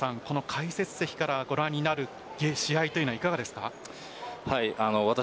解説席からご覧になる試合というのはいかがですか？